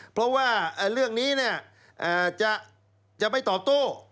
เพราะว่าเรื่องนี้จะไม่ตอบโต้